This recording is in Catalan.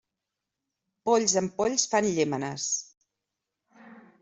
Polls amb polls, fan llémenes.